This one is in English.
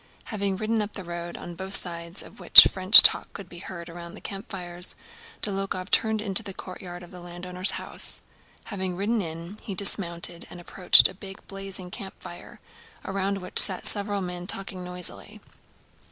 Having ridden up the road, on both sides of which French talk could be heard around the campfires, Dólokhov turned into the courtyard of the landowner's house. Having ridden in, he dismounted and approached a big blazing campfire, around which sat several men talking noisily.